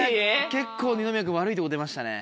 結構二宮君悪いとこ出ましたね。